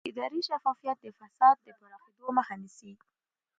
اداري شفافیت د فساد د پراخېدو مخه نیسي